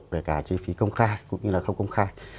kể cả chi phí công khai cũng như là không công khai